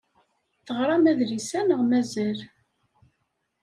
Teɣṛam adlis-a neɣ mazal?